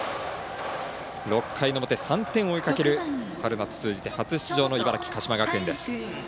６回の表、３点を追いかける春夏通じて初出場の茨城鹿島学園です。